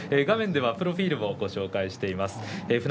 画面ではプロフィールをご紹介しています。